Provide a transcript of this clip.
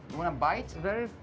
kamu ingin makan